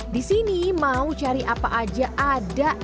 di sini mau cari apa aja ada